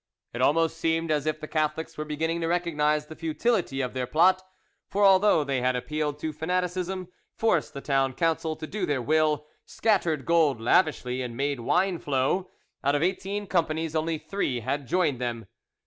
It almost seemed as if the Catholics were beginning to recognise the futility of their plot; for although they had appealed to fanaticism, forced the Town Council to do their will, scattered gold lavishly and made wine flow, out of eighteen companies only three had joined them.